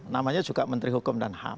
namanya juga menteri hukum dan ham